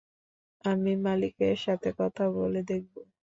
আমি মালিকের সাথে কথা বলে দেখব।